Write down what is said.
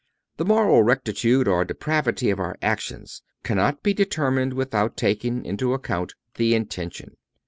The moral rectitude or depravity of our actions cannot be determined without taking into account the intention.